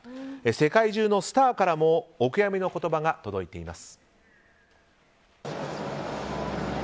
世界中のスターからもお悔やみの言葉が届いています。